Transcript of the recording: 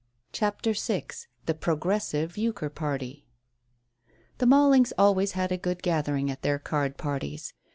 CHAPTER VI THE PROGRESSIVE EUCHRE PARTY The Mallings always had a good gathering at their card parties.